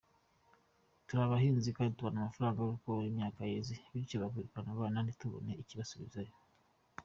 Turi abahinzi kandi tubona agafaranga ari uko imyaka yeze, bityo bakwirukana abana ntitubone ikibasubizayo.